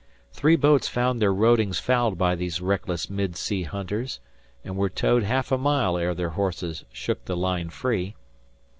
Three boats found their rodings fouled by these reckless mid sea hunters, and were towed half a mile ere their horses shook the line free.